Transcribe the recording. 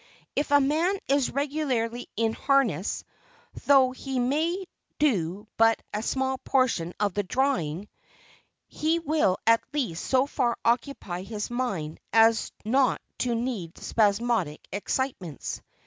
If a man is regularly in "harness," though he may do but a small portion of the drawing, he will at least so far occupy his mind as not to need spasmodic excitements.